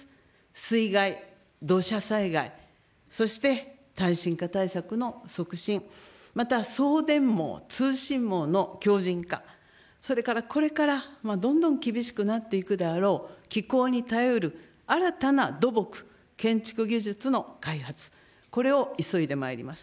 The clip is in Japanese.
水害、土砂災害、そして耐震化対策の促進、また送電網、通信網の強じん化、それから、これからどんどん厳しくなっていくであろう、気候に頼る新たな土木、建築技術の開発、これを急いでまいります。